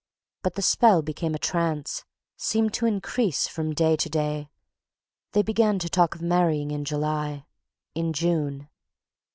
But the spell became a trance, seemed to increase from day to day; they began to talk of marrying in July—in June.